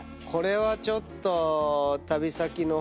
これはちょっと。